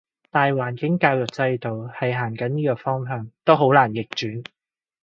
大環境教育制度係行緊呢個方向，都好難逆轉